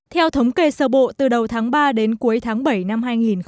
theo thống kê sở bộ từ đầu tháng ba đến cuối tháng bảy năm hai nghìn một mươi chín